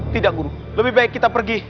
tidak bunuh lebih baik kita pergi